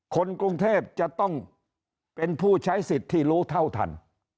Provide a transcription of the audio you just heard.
คนกรุงเทพจะต้องเป็นผู้ใช้สิทธิ์ที่รู้เท่าทัน